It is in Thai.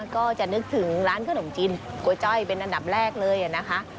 ก็จะนึกถึงร้านขนมจีนก๋วยจ้อยเป็นอันดับแรกเลยนะคะ